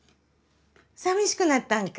さみしくなったんか？